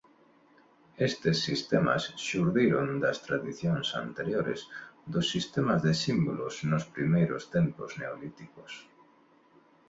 Estes sistemas xurdiron das tradicións anteriores dos sistemas de símbolos nos primeiros tempos neolíticos.